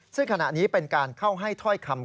ซึ่งขณะนี้เป็นการเข้าให้ถ้อยคำ